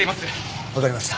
わかりました。